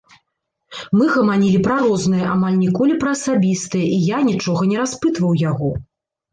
Мы гаманілі пра рознае, амаль ніколі пра асабістае і я нічога не распытваў яго.